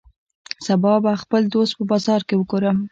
سبا به خپل دوست په بازار کی وګورم